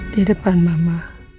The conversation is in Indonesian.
di depan mama